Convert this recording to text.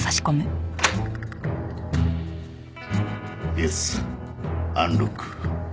イエスアンロック完了。